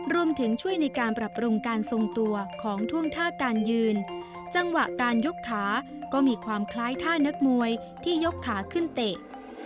รวมถึงช่วยในการปรับปรุงการทรงตัวของท่วงท่าการยืนจังหวะการยกขาก็มีความคล้ายท่านักมวยที่ยกขาขึ้นเตะ